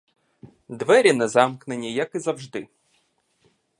Двері незамкнені, як і завжди.